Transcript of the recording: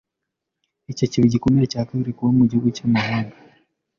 icyo kiba igikomere cya kabiri, kuba mu gihugu cy’amahanga